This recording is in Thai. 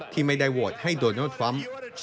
ที่ไม่ได้โหวตให้โดนัลดทรัมป์